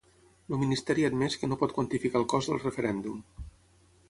El ministeri ha admès que no pot quantificar el cost del referèndum.